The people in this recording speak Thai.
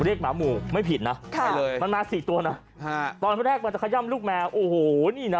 หมาหมู่ไม่ผิดนะมันมาสี่ตัวนะตอนแรกมันจะขย่ำลูกแมวโอ้โหนี่นะ